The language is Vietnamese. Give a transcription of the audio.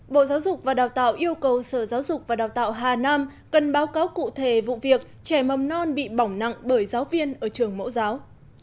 bộ giáo dục và đào tạo yêu cầu sở giáo dục và đào tạo hà nam cần báo cáo cụ thể vụ việc trẻ mầm non bị bỏng nặng bởi giáo viên ở trường mẫu giáo